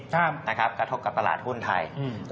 ใช่ครับกระทบกับตลาดหุ้นไทย